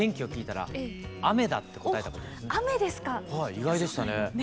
意外でしたね。